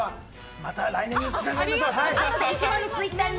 また来年につなげましょう。